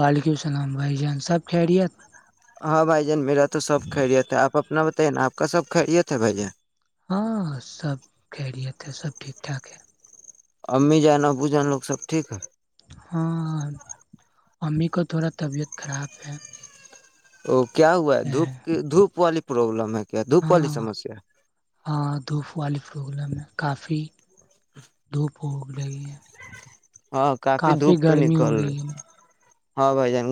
وعلیکم السلام بھائی جان سب خیریت ہاں بھائی جان میرا تو سب کہرییا تھا آپ اپنا ب ا آپ کا سب خھریے تھے بھائیے ہاں سب خیریت ہے سب ٹھیک ٹھاک ہے امی جان نا ابو جانا لوگ سب ٹھیک ہے ہاں امی کو تھوڑا طبیعت خراب ہے اوک کیا ہوا ہے اے، دھوپ کی دھپ والی پروابلم ہے کیا دھوپ والی ہاں سمسیا ہاں دھوپ والے پروگرام ہے کافی دھوپ ہو لگی ہے ہاں کافی دھوپ تو گرمی نکل ہو رہی ہے نا ہاں بائی جانے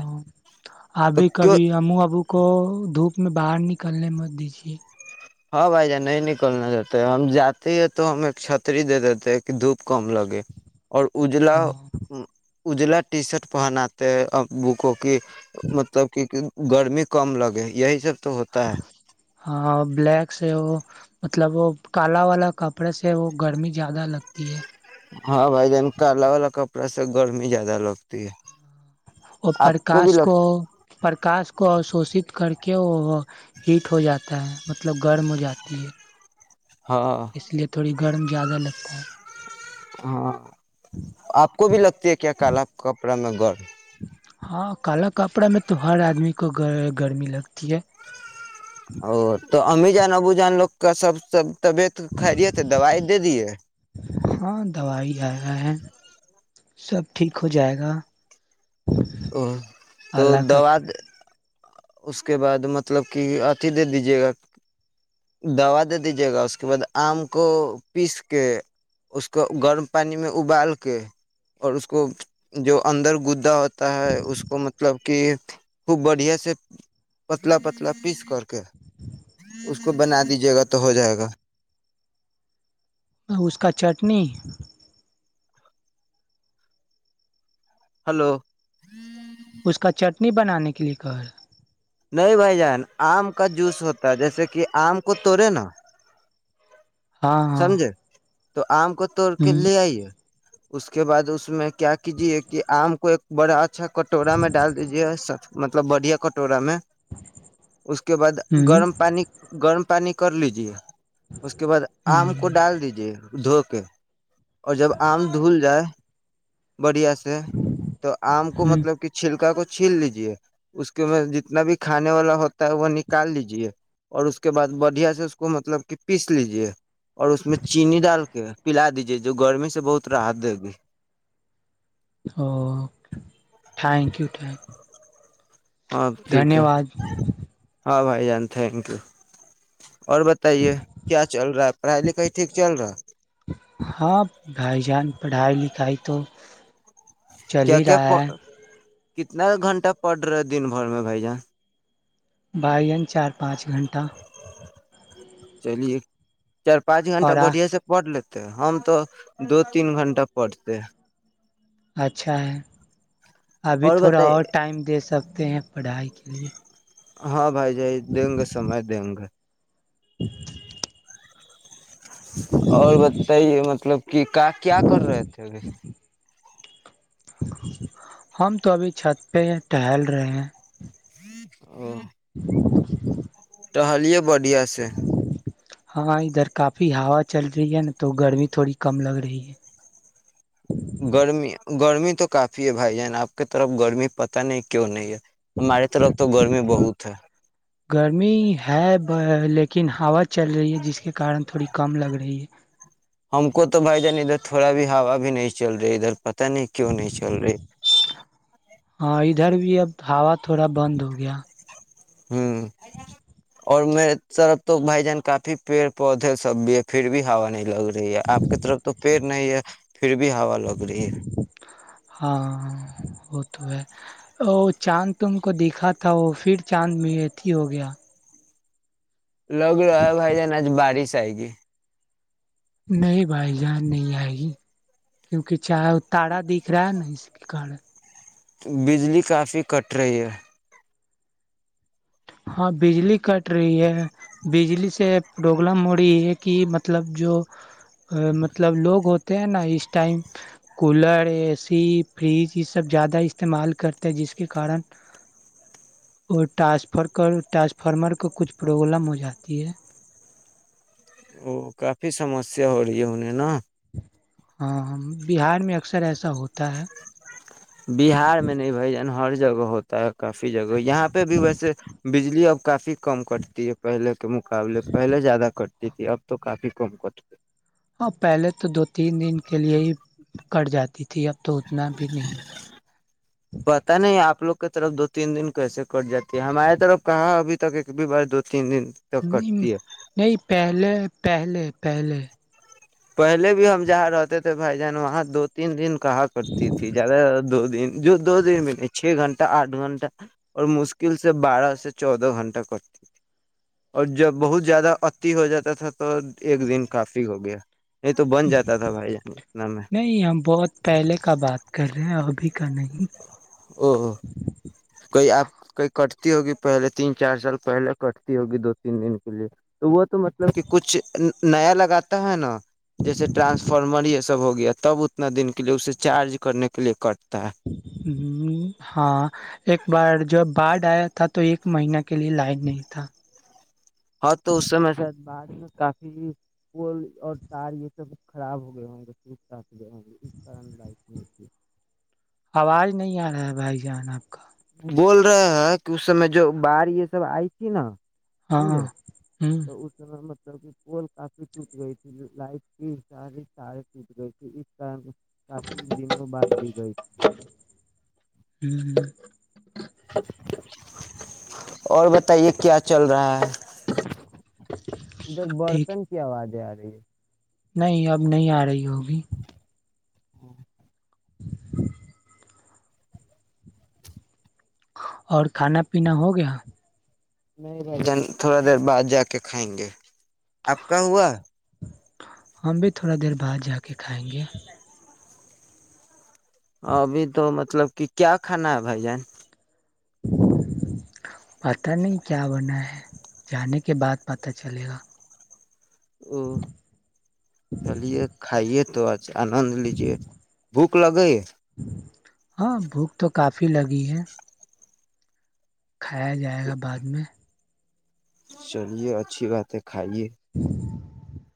ہے اب تو کب کیوں ہم ابو کو دھوپ [unintelligible] اس میں باہر نکلنے مت دیجیے ہاں بھائی جان نہیں نکلنا چاہتے ہم جاتے ہیں تو ہم ایک چھتری دے دیتے ہیں کہ دھوپ کم لگے اور اجلا ہاں اجلا ٹی شرٹ پہناتے ابو کو کہ مطلب کہ گرمی کم لگے یہی سب تو ہوتا ہے ہاں بلیک سے وہ مطلب وہ کالا والا کپڑے سے وہ گرمی زیادہ لگتی ہے ہاں بھائی جان کالا والا کپڑا سے گرمی زیادہ لگتی ہے اور آپ پرکاش بھی لگ کو پرکاش کو ا شوشت کر کے کہ [unintelligible] ہیٹ ہو جاتا ہے مطلب گرم ہو جاتی ہے ہاں اس لیے تھوڑی گرم زیادہ لگتا ہے ہ آپ کو بھی لگتی ہے کیا کال کپڑا میں گڑ ہاں کالا کپڑا میں تو ہر آدمی کو گرمی لگتی ہے ا تو ا ہممی جان ابو جان لوک کا سب سب [unintelligible] طبیعت خھرییےت دوائی دے دیے ہاں دوائی آیا ہے سب ٹھیک ہو جائے گا او تو اللہ کا دوا [unintelligible] اس کے بعد مطلب کہ آتیھی دے دیجیے گا دوا دے دیجیے گا اس کے بعد آم کو پیس کے اس کو گرم پانی میں ابال کے اور اس کو جو اندر گدا ہوتا ہے اس کو مطلب کہ خوب بڑھیا سے پتلا پتلا پیس کر کے اس کو بنا دیجیے گا تو ہو جائے گا اس کا چٹنی ہلو اس کا چٹنی بنانے کے لیے کہ نہیں بھائی جان آم کا جوس ہوتا ہے جیسے کہ آم کو توڑے نا ہاں ہاں سمجھے تو آم کو توڑ کے ہوں لے آئیے اس کے بعد اس میں کیا کیجیے کہ آم کو ایک بڑا [unintelligible] اچھا کٹورا میں ڈال دیجیے سب [unintelligible] مطلب بڑھیا کٹورا میں اس کے بعد ہوں گرم پانی گرم [unintelligible] پانی کر لیجیے اس کے بعد آم کو ڈال دیجے دھو اور جب آم دھل جائے بڑھیا سے تو آم کو ہ مطلب کہ چھلکا کو چھیل لیجیے اس کے میں جتنا بھی کھانے والا ہوتا ہے وہ نکال لیجیے اور اس کے بعد بڑھیا سے اس کو مطلب کہ پیس لیجیے اور اس میں چینی ڈال کے پلا دیج جی جو گرمی سے بہت راحت دے گی اوکے ٹھینکیو ٹھینکیو ہاں ٹھیک ہے واد ہاں بھائی جان تھینکیو اور بتائیے کیا چل رہا ہے پڑھائی لکھائی ٹھیک چل رہا ہاں بھائی جان پڑھائی لکھائی تو چل کیا ہی کیا رہا ہے کتنا گھنٹہ پڑ رہا ہے دن بھر میں بھائی جان بھائی جان چار پانچ گھنٹہ چلیے چار پانچ گنٹہ اور آ بڑھیا سے پڑھ لے ہم تو دو تین گھنٹہ پڑتے ہے اچھا ہے ابھی تھوڑا اور ٹائم دے سکتے ہیں پڑھائی کے لیے ہاں بھائی جان دیں گے سمے دیں گے [inaudible] اور بتائیے مطلب کہ کیا کر رہے تھے ابھی ہم تو ابھی چھت پہ ہے ٹہل رہے ہیں او [inaudible] ٹہلے بڑھیا سے ہاں ادھر کافی ہا چل رہی ہے نا تو گرمی تھوڑی کم لگ رہی ہے گرمی گرمی تو کافی ہے بھائی جان آپ کی طرف گرمی پتہ نہیں کیوں نہیں ہے ہمارے طرف تو گرمی بہت ہے گرمی ہے لیکن کن ہوا چل رہی ہے جس کے کارن تھوڑی کم لگ رہی ہے ہم کو تو بھائی جان ادھر تھوڑا بھی ہوا بھی نہیں چل رہی ادھر پتا نہیں کیوں نہیں چل رہی ہاں ادھر بھی اب ہوا تھوڑا بند ہو گیا ہمم اور میرے طرف تو بھائی جان کافی پیڑ پودے سب بھی ہے پھر بھی ہوا نہیں لگ رہی رہی ہے آپ کی طرف تو پیر نہیں ہے [unintelligible] پھر بھی ہوا لگ رہی ہے [unintelligible] ہاں وہ تو ہے چاند تم کو دیکھا تھا وہ پھر چاند میں اتھی ہو گیا لوگ رہا بھائی جان آج بارش جائے گی [unintelligible] نہیں بھائی جان نہیں آئے گی کیونکہ چاہے وہ تارا دکھ رہا ہے نہ اس کے کارن تو بجلی کافی کٹری ہے ہاں بجلی کٹ رہی ہے بجلی سے پرابلم ہو رہی ہے کہ مطلب جو مطلب لوگ ہوتے نا اس time cooler A C fridge یہ سب زیادہ استعمال کرتے ہیں جس کے کارن وہ ٹرانسفر [unintelligible] کر ٹرانسفارمر کو کچھ پرابلم ہو جاتی ہے وہ کافی سمسیا ہو رہی ہے اننے نہا [unintelligible] ہاں بہار میں اکثر ایسا ہوتا ہے بہار میں نہیں بھائی جان ہر جگہ ہوتا ہے کافی جگہ یہاں پہ بھی ویسے بجلی اب کافی کم کٹتی ہے پہلے کے مقابلے پہلے زیادہ ک جی تھی اب تو کافی کم کٹ [unintelligible] ہاں پہلے تو دو تین دن کے لیے ہی کٹ جاتی تھی اب تو اتنا بھی نہیں ہوتا پتا نہیں آپ لوگ کی طرف دو تین دن کیسے کٹ جاتی ہے ہمارے طرف کہا ابھی تک ایک بھی بار دو تین دن تک نہیں کٹتی ہے نہیں پہلے پہلے [unintelligible] پہلے پہلے بھی ہم جہاں رہتے تھے بھائی جان وہاں دو تین دن کو [unintelligible] کہا کرتی تھی زیادہ دو دن جو دو دن میں نہیں چھ گھنٹے آٹھ گھنٹہ اور مشکل سے بارہ سے چودہ گھنٹہ کرتی تھی اور جب بہت زیادہ اتی ہو جاتا تھا تو ایک دن کافی ہو گیا نہیں تو بن جاتا تھا بھائی جان اتنا میں نہیں ہم بہت پہلے کا بات کر رہے ہیں ابھی کا نہیں [unintelligible] جی [unintelligible] او او [unintelligible] کوئی آپ کوئی [unintelligible] کٹتی ہوگی پہلے تین چار سال پہلے کٹتی ہوگی دو تین دن کے لیے تو وہ تو مطلب کہ کچھ نیا لگاتا ہے نا جیسے ٹرانسفارمر یہ سب ہو گیا تب اتنا دن کے لیے اسے چارج کرنے کے لیے کٹ ہ ہاں [unintelligible] ایک بار جب کارڈ آیا تھا تو ایک مہین کے لیے لائن نہیں تھا ہاں تو اس س سے بات کافی پول اور تار یہ سب خراب ہو گیااں سف ج اس ط لائک نہیں ت آواز نہیں آ [unintelligible] بول رہے ہیں کہ اس سمے جو بڑ یہ سب آئی تھی نا ہاں سمجھے ہوں تو ا م مطلب کہ پول کافی ٹوٹ گئی تھی لائٹ کی ساری سارے ٹوٹ گئی تھی اس کافی دنوں باندھی گئی ہ اور بتائیے کیا چل رہا ہے سب ادھر ٹھیک برتن کی آواز ہے آگی [unintelligible] نہیں اب نہیں آ رہی ہوگی [inaudible] اور کھانا پینا ہو گیا نہیں بھیجیں تھوڑی در بعد جیک کھینچ آپکا ہوا ہم بھی تھوڑا دیر بعد جا کے کھائیں گے ہبھی تو م مطلب کہ کیا کھانا ہے بھیجیں پتا نہیں کیا بنا ہے جانے کے بعد پتا چلے گا او چلیے کھائیے تو آ آنند لیجیے بھوک لگے ہاں بھوک تو کافی لگی ہے کھایا جائے گا بعد میں چلیے اچھی بات ہے کھائیے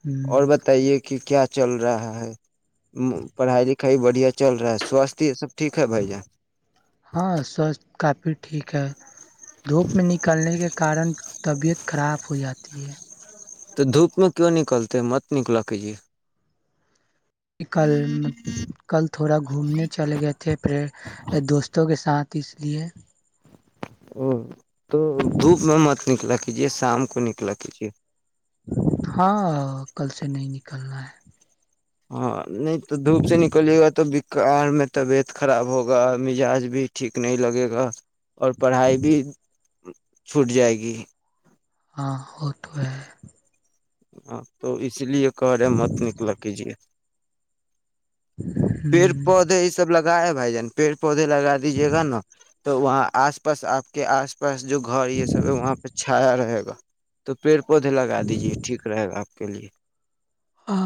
ہ اور بتائیے کہ کیا چل رہا ہے پڑھائی لکھائی بڑھیا چل رہا ہے سواستھ یہ سب ٹھیک ہے بھیجیں ہاں سوچ کافی ٹھیک ہے دھوپ میں نکلنے کے کارن طبیعت خراب ہو جاتی ہے تو دھوپ میں کیوں نکلتے ہے مت نکلا کیجیے کل کل تھوڑا گھومنے چلے گئے تھے پری دوستوں کے ساتھ اس لیے ا [unintelligible] تو دھوپ میں مت نکلا گ کیجیے شام کو نکلا کیجیے ہاں کل سے نہیں نکلنا ہے ہاں نہیں تو دھوپ سے نکلے گا تو کار میں طبیعت خراب ہوگا مزاج بھی ٹھیک نہیں لگے گا اور پڑھائی بھی [unintelligible] چھوٹ جائے گی ہاں وہ تو ہے [unintelligible] ہاں تو اس لیے [unintelligible] کرے مت نکلا کیجیے [unintelligible] پیڑ پودے یہ سب لگتا رائے بھائی جان پڑ پودے لگا دیجیے گا نا [unintelligible] تو وہاں آس پاس آپ کے آس پاس جو گھر یہ سب ہے وہاں پہ چھایا رہے گا تو پھر [unintelligible] خودھ لگا دیجیے ٹھیک رہے گا کے لیے [unintelligible] ا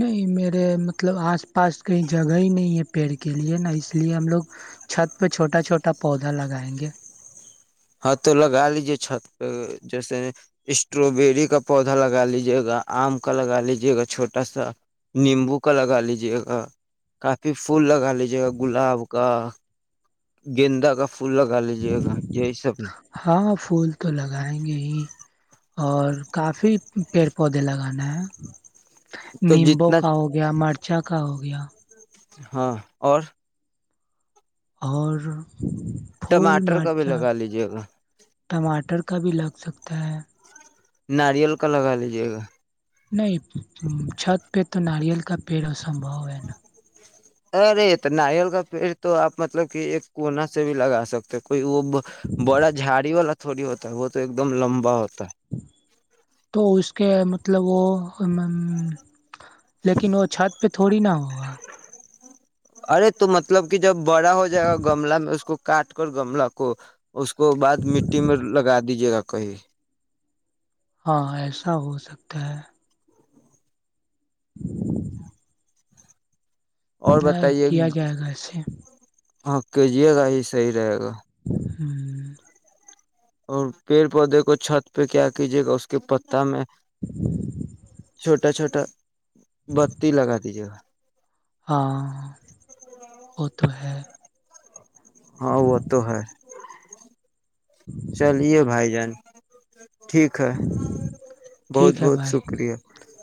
نہیں میرے مطلب آس پاس کہیں جگہ ہی نہیں ہے پیڑ کے لیے نا اس لیے ہم لوگ چھت پہ چھوٹا چھوٹا پودا لگائیں گے ہاں تو لگا لیجیے چھت پہ جیسے اسٹروبیری کا پودا لگا لیجے گا آم کا لگا لیجے گا چھوٹا سا نیمبو کا لگا لیجے گا کافی پھول لگا لیجیے گا گلاب کا گیندا کا پھول لگا لیجیے گا یہی سب نا ہاں پھول تو لگائیں گے ہی اور کافی پیڑ پودے لگانا ہے تو نمبو جتنا کا ہو گیا مارتی اچھا کا ہو گیا ہاں اور [unintelligible] اور [unintelligible] پھول ٹماٹر کا بھی مرچا لگا لیجے گا [unintelligible] ٹماٹر کا بھی لگ سکتا ہے [unintelligible] ناریل کا لگا لیجے گا [unintelligible] نہیں چھت پہ تو ناریل کا پیڑ ا سمبھو ہے نا ارے تو ناریل کا پیڑ تو آپ مطلب کہ ایک کونا سے بھی لگا سکتے کوئی وہ بڑا جاڑی گ ن [unintelligible] تھوڑی ہوتا ہے وہ تو ایک دم لمبا ہوتا ہے [unintelligible] تو اس کے مطب مطلب وہ [unintelligible] لیکن وہ چھت پہ تھوڑی نہا ہوگا [unintelligible] ارے تو مطلب کہ [unintelligible] جب بڑا ہو جائے گا گملہ میں اس کو کاٹ کر گملہ کو [unintelligible] اس کو بعد مٹی میں لگا دیجیے گا کہی [unintelligible] ہاں ایسا ہو سکتا ہے [unintelligible] [inaudible] اور ہاں بتائیے کیا جائے گا ایے ہاں کہجیے گا ہی صحیح رہے گا [unintelligible] ہوں [unintelligible] اور پیڑ پودے کو چھت پہ کیا کیجیے گا اس کے پتا میں چھوٹا چھوٹا [inaudible] بتی لگا دیجیے گا [inaudible] ہاں [unintelligible] وہ تو ہے [unintelligible] ہاں وہ تو ہے [unintelligible] چلے بھائی جان [unintelligible] ٹھیک ہے بہت ٹھیک ہے بہت بھائی شکریہ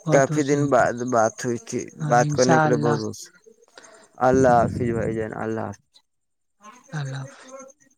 بہت کافی بہت دن شکریہ بعد بات ہوئی تھی ہاں بات کرنے انشاء کے لیے اللہ بہت رص اللہ حافظ بھائی جان اللہ حافظ اللہلہ [unintelligible]